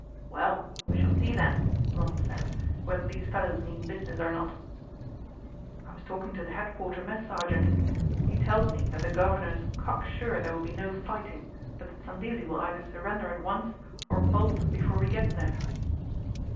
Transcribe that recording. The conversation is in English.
"Well, we shall see then," Roland said, "whether these fellows mean business or not." "I was talking to the headquarter mess sergeant. He tells me that the Governor's cock sure there will be no fighting, but that Sandilli will either surrender at once or bolt before we get there."